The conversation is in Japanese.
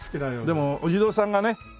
でもお地蔵さんがね